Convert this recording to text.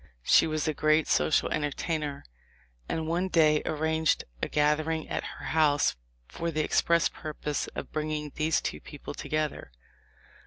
She was a great social enter tainer, and one day arranged a gathering at her house for the express purpose of bringing these two people together.